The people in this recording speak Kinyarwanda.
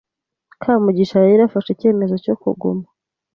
Kamugisha yari yafashe icyemezo cyo kuguma.